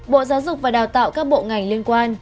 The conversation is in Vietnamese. bộ giáo dục và đào tạo các bộ ngành liên quan